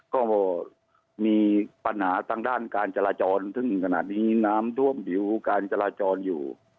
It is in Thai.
ก็มีปัญหาต่างด้านการจราจรขนาดนี้ก็น้ำทั่วมอยู่กลายจราจรอยู่